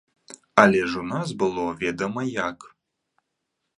Але ж у нас было ведама як.